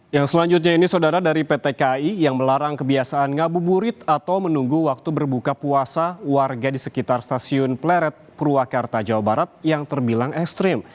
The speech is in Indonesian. yang selanjutnya ini saudara dari pt kai yang melarang kebiasaan ngabuburit atau menunggu waktu berbuka puasa warga di sekitar stasiun pleret purwakarta jawa barat yang terbilang ekstrim